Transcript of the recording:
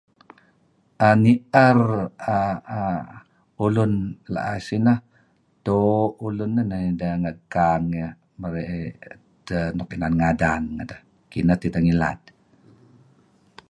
'an ni'er err ulun la'ih sineh, doo' ulun neh neh nideh ngeggang iyeh merey edtah nuk inan ngadan ngeneh. kineh tideh ngilad.